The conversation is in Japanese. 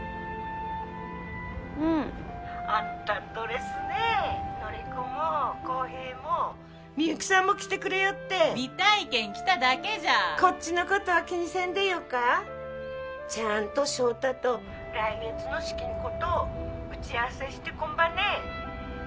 うん☎アンタんドレスね☎のりこも幸平もみゆきさんも来てくれよって見たいけん来ただけじゃこっちのことは気にせんでよかちゃんと翔太と☎来月の式んこと打ち合わせしてこんばね